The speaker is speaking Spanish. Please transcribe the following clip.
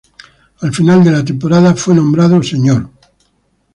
Al final de la temporada fue nombrado "Mr.